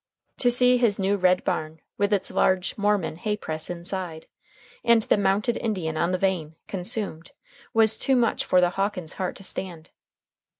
To see his new red barn with its large "Mormon" hay press inside, and the mounted Indian on the vane, consumed, was too much for the Hawkins heart to stand.